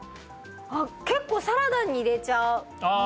結構サラダに入れちゃうあ